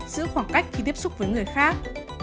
giữ khoảng cách khi tiếp xúc với người khác